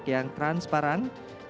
kotak yang transparan